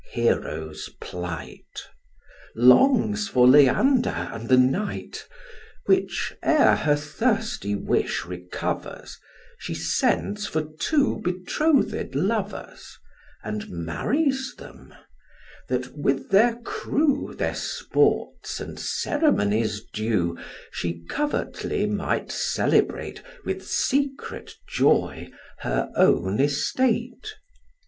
Hero's plight; Longs for Leander and the night: Which ere her thirsty wish recovers, She sends for two betrothed lovers, And marries tham, that, with their crew, Their sports, and ceremonies due, She covertly might celebrate, With secret joy, her own estate.